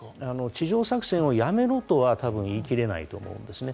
地上作戦をやめろとはたぶん言い切れないと思うんですね。